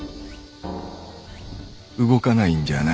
「動かない」んじゃあない。